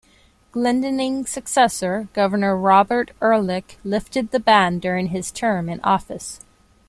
Glendening's successor, Governor Robert Ehrlich, lifted the ban during his term in office.